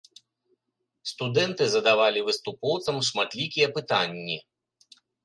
Студэнты задавалі выступоўцам шматлікія пытанні.